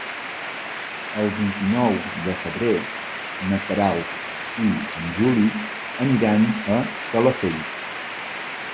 El vint-i-nou de febrer na Queralt i en Juli aniran a Calafell.